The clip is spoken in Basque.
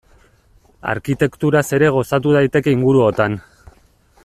Arkitekturaz ere gozatu daiteke inguruotan.